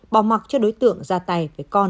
bỏ mặt cho đối tượng ra tay với con